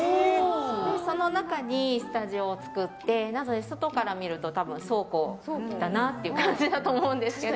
その中にスタジオを作ってなので外から見ると倉庫だなって感じだと思うんですけど。